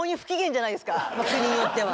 国によっては。